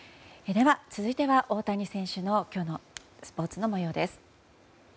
では続いては大谷選手の今日のスポーツの内容です。